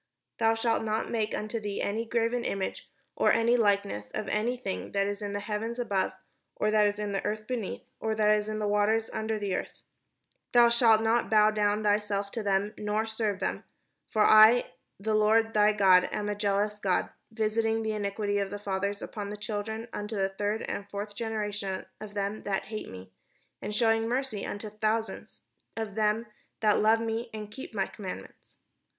" Thou shalt not make unto thee any graven image, or any likeness of any thing that is in heaven above, or that is in the earth beneath, or that is in the water under the earth: Thou shalt not bow down thyself to them, nor serve them: for I the Lord thy God am a jealous God, visiting the iniquity of the fathers upon the children unto the third and fourth generation of them that hate me; and shewing mercy unto thousands of them that love me, and keep my commandments.